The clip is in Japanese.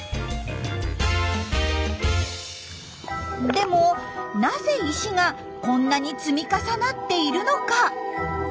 でもなぜ石がこんなに積み重なっているのか？